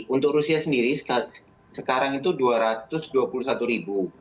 untuk rusia sendiri sekarang itu dua ratus dua puluh satu ribu